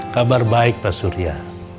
kabar baik pak surya